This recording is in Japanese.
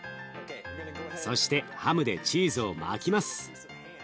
そしてハムでチーズを巻きます。